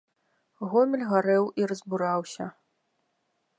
Гомель гарэў і разбураўся.